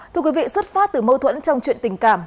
thưa quý vị xuất phát từ mâu thuẫn trong chuyện tình cảm